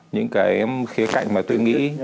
những cái khía cạnh mà tôi nghĩ